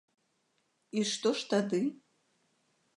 І што ж тады?